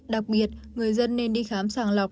đặc biệt người dân nên đi khám sàng lọc